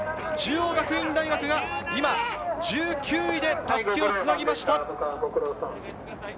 中央学院大学が今、１９位で襷をつなぎました。